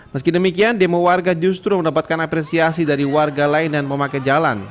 meski demikian demo warga justru mendapatkan apresiasi dari warga lain yang memakai jalan